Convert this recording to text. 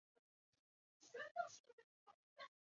翅荚决明为豆科决明属下的一个种。